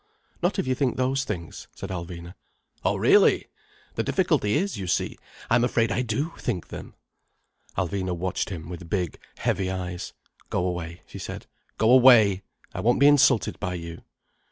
"Not if you think those things—" said Alvina. "Oh really! The difficulty is, you see, I'm afraid I do think them—" Alvina watched him with big, heavy eyes. "Go away," she said. "Go away! I won't be insulted by you."